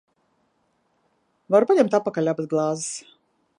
Varu paņemt atpakaļ abas glāzes?